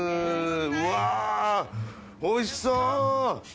うわぁおいしそう！